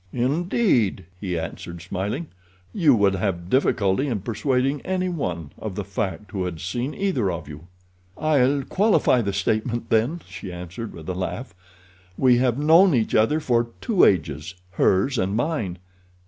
"Indeed!" he answered, smiling. "You would have difficulty in persuading any one of the fact who had seen either of you." "I'll qualify the statement, then," she answered, with a laugh. "We have known each other for two ages—hers and mine.